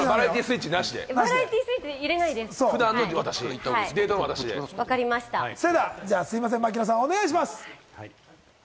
バラエティースイッチを入れすいません、槙野さん、お願いします。